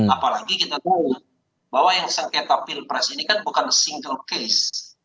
apalagi kita tahu bahwa yang sengketa pilpres ini kan bukan single case